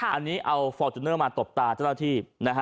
อันนี้เอาฟอร์จูเนอร์มาตบตาเจ้าหน้าที่